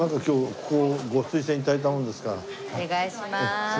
お願いします。